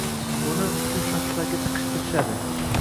Buni shu shaxslarga tiqishtirishadi.